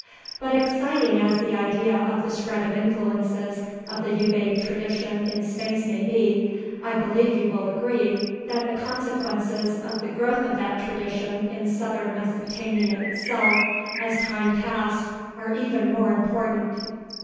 But exciting as the idea of the spread of influences of the Ubaid tradition in space may be, I believe you will agree that the consequences of the growth of that tradition in southern Mesopotamia itself, as time passed, are even more important.